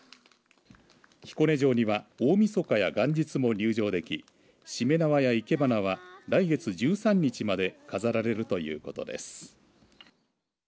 彦根城には大みそかや元日も入場できしめ縄や生け花は来月１３日まで飾られるということです。